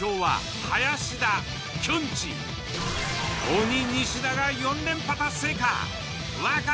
鬼・西田が４連覇達成か？